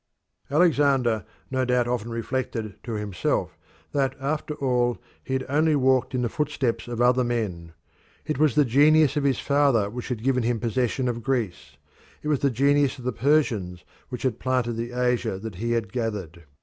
Alexander no doubt often reflected to himself that after all he had only walked in the footsteps of other men. It was the genius of his father which had given him possession of Greece; it was the genius of the Persians which had planted the Asia that he had gathered.